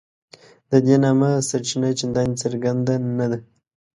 د دې نامه سرچینه چنداني څرګنده نه ده.